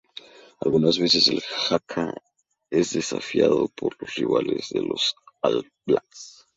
Algunas veces, el haka es desafiado por los rivales de los All Blacks.